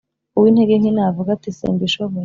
Uw’intege nke navuge ati simbishoboye